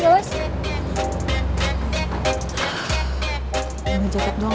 ini jaket gue lama